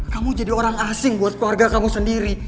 kamu jadi orang asing buat keluarga kamu sendiri